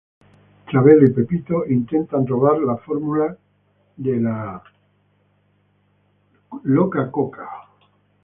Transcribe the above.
Chabelo y Pepito intentan robar la Formula de Coca Cola.